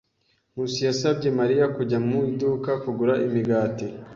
Nkusi yasabye Mariya kujya mu iduka kugura imigati.